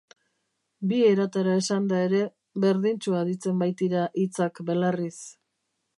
Bi eratara esanda ere, berdintsu aditzen baitira hitzak belarriz.